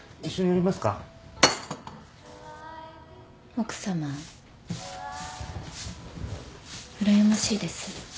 奥さまうらやましいです。